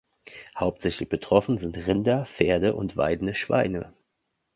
Hauptsächlich betroffen sind Rinder, Pferde und weidende Schweine.